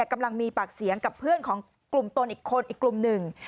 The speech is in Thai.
กำลังมีปากเสียงกับเพื่อนของกลุ่มตนอีกคนอีกกลุ่มหนึ่ง